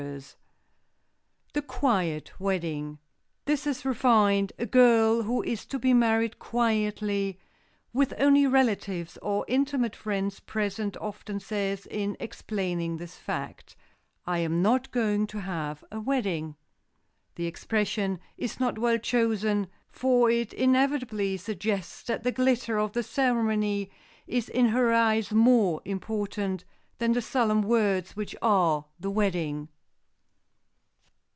[Sidenote: THE QUIET WEDDING] this is refined A girl who is to be married quietly with only relatives or intimate friends present often says, in explaining this fact, "I'm not going to have a wedding." The expression is not well chosen, for it inevitably suggests that the glitter of the ceremony is in her eyes more important than the solemn words which are the wedding.